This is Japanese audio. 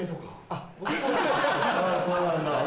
あっそうなんだ。